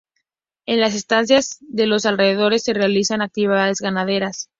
En las estancias de los alrededores se realizan actividades ganaderas.